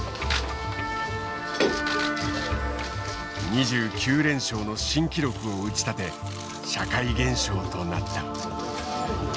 ２９連勝の新記録を打ち立て社会現象となった。